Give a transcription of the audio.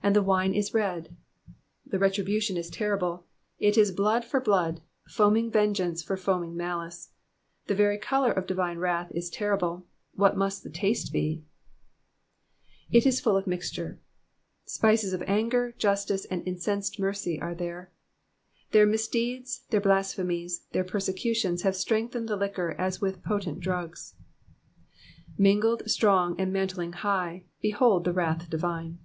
*'And the wine is red.'*^ The retribution is terrible, it is blood for blood, foaming vengeance for foaming malice. The very colour of divine wrath is terrible ; what must the taste be? /i is full of mixture.'*^ Spices of anger, justice, and incensed mercy are there. Their misdeeds, their blasphemies, their persecutions have strengthened the liquor as with potent drugs :*' Mingled, BtroDfT, and manUing high ; Bcliuld the wrath divine.''